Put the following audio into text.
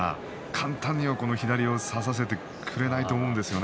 簡単には左を差させてくれないんでしょうね。